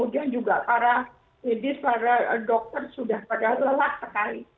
tidak para medis para dokter sudah pada lelah sekali